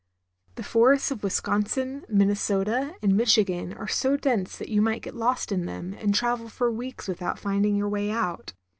The forests of Wisconsin, Minnesota, and Michigan are so dense that you might get lost in them and travel for weeks without finding your way out.